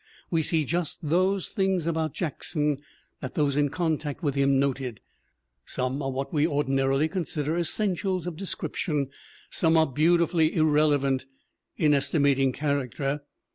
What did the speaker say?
We see just those things about Jackson that those in contact with him noted; some are what we ordinarily consider essentials of description, some are beautifully irrelevant in es timating character.